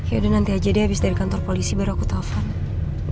yaudah nanti aja deh abis dari kantor polisi biar aku tau van